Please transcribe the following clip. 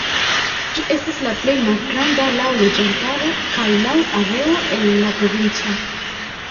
Ĝi estas la plej malgranda laŭ loĝantaro kaj laŭ areo el la provinco.